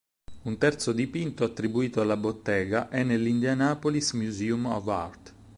Un terzo dipinto, attribuito alla bottega, è nell'Indianapolis Museum of Art.